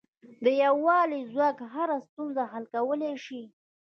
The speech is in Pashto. د یووالي ځواک هره ستونزه حل کولای شي.